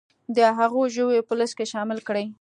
د هغو ژویو په لیست کې شامل کړي